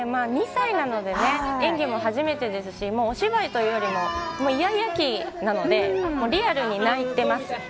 ２歳なので演技も初めてですしお芝居というよりもイヤイヤ期なのでリアルに泣いてます。